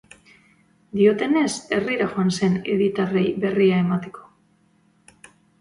Diotenez, herrira joan zen hiritarrei berria emateko.